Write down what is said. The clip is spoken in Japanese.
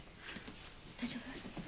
大丈夫？